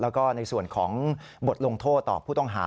แล้วก็ในส่วนของบทลงโทษต่อผู้ต้องหา